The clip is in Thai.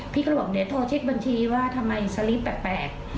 พี่ก็บอกเดี๋ยวโทรเช็คบัญชีว่าทำไมสลิปแปลก